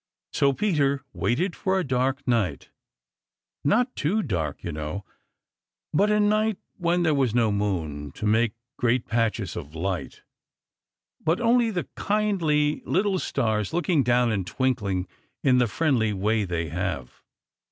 So Peter waited for a dark night, not too dark, you know, but a night when there was no moon to make great patches of light, but only the kindly little Stars looking down and twinkling in the friendly way they have.